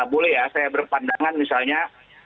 boleh ya saya berpandangan misalnya